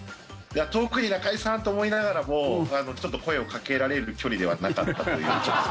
遠くに中居さんと思いながらも声をかけられる距離ではなかったという。